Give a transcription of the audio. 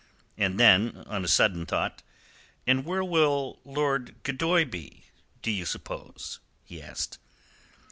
And then on a sudden thought: "And where will Lord Gildoy be, do you suppose?" he asked.